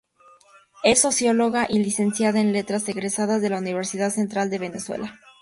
Es socióloga y licenciada en Letras egresada de la Universidad Central de Venezuela.